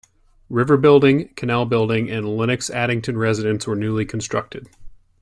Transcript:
River Building, Canal Building, and Lennox-Addington Residence were newly constructed.